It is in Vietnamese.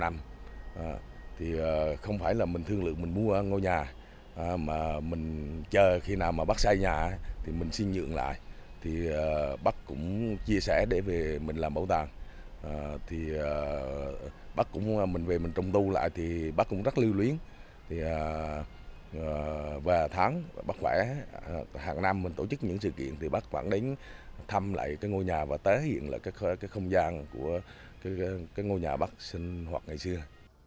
năm năm thì không phải là mình thương lượng mình mua ngôi nhà mà mình chờ khi nào mà bác xây nhà thì mình xin nhượng lại thì bác cũng chia sẻ để về mình làm bảo tàng thì bác cũng muốn mình về mình trông tu lại thì bác cũng rất lưu luyến và tháng bác phải hàng năm mình tổ chức những sự kiện thì bác khoảng đến thăm lại cái ngôi nhà và thể hiện lại cái không gian của cái ngôi nhà bác sinh hoạt nghiệp